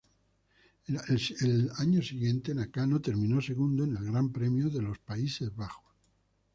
El año siguiente Nakano terminó segundo en el Gran Premio de los Países Bajos.